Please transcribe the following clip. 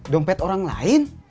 dompet orang lain